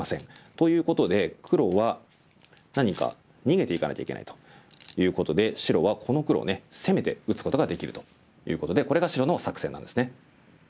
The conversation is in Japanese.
ということで黒は何か逃げていかないといけないということで白はこの黒を攻めて打つことができるということでこれが白の作戦なんですね。